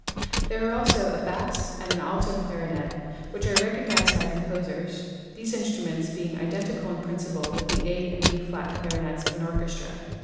There are also a bass and an alto clarinet which are recognised by composers, these instru ments being identical in principle with the A and B^ clarinets of an orchestra.